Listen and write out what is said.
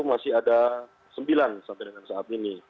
masih ada sembilan sampai dengan saat ini